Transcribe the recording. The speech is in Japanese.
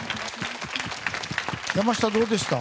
山下、どうでした？